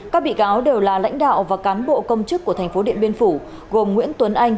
các bị cáo đều là lãnh đạo và cán bộ công chức của thành phố điện biên phủ gồm nguyễn tuấn anh